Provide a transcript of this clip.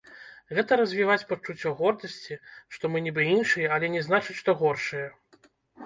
Гэта развіваць пачуццё гордасці, што мы нібы іншыя, але не значыць, што горшыя.